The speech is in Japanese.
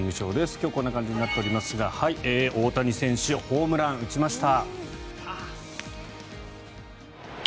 今日こんな感じになっておりますが大谷選手ホームラン打ちました。